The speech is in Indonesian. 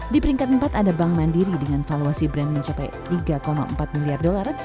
di peringkat empat ada bank mandiri dengan valuasi brand mencapai tiga empat miliar dolar